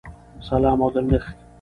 سلام او درنښت!!!